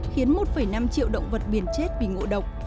khiến một năm triệu động vật biển chết bị ngộ độc